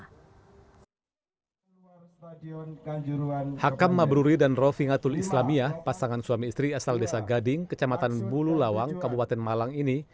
hakam mabruri dan rovi ngatul islamiyah pasangan suami istri asal desa gading kecamatan bululawang kabupaten malang ini